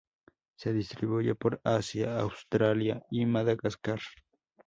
Se distribuye por Asia, Australia y Madagascar.